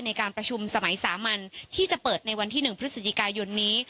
ในการประชุมสมัยสามัญที่จะเปิดในวันที่๑พฤศจิกายนนี้